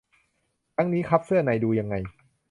ทั้งนี้ คัพเสื้อใน ดูยังไง